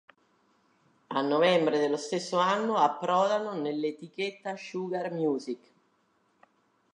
A novembre dello stesso anno approdano nell'etichetta Sugar Music.